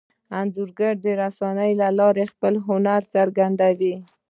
انځورګر د رسنیو له لارې خپل هنر څرګندوي.